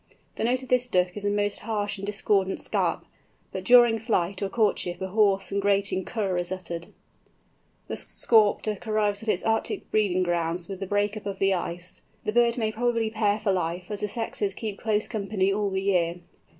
The note of this Duck is a most harsh and discordant scaup, but during flight or courtship a hoarse and grating kurr is uttered. The Scaup Duck arrives at its Arctic breeding grounds with the break up of the ice. The bird may probably pair for life, as the sexes keep close company all the year.